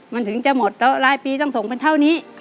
มันถึงจะหมดแล้วรายปีต้องส่งเป็นเท่านี้